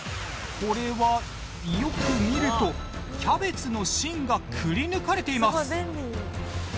これはよく見るとキャベツの芯がくりぬかれています。